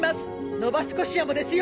ノバスコシアもですよ。